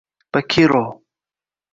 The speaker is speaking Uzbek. bakiroo